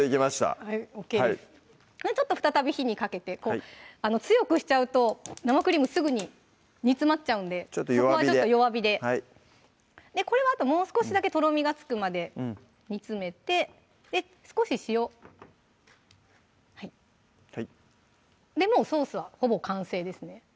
はいＯＫですちょっと再び火にかけて強くしちゃうと生クリームすぐに煮詰まっちゃうんでちょっと弱火でそこはちょっと弱火でこれはあともう少しだけとろみがつくまで煮詰めて少し塩はいはいもうソースはほぼ完成ですね